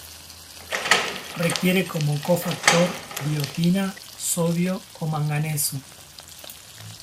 Requiere como cofactor biotina, sodio o manganeso.